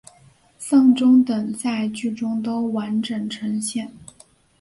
丧钟等在剧中都完整呈现。